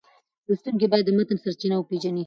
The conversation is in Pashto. لوستونکی باید د متن سرچینه وپېژني.